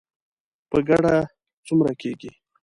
په ګډه څومره کیږي؟